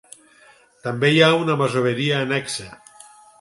També hi ha una masoveria annexa.